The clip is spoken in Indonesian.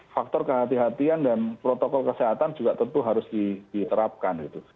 faktor kehatian dan protokol kesehatan juga tentu harus diterapkan gitu